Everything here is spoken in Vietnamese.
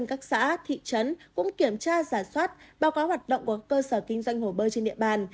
ủy ban nhân dân các xã thị trấn cũng kiểm tra giả soát báo cáo hoạt động của cơ sở kinh doanh hồ bơi trên địa bàn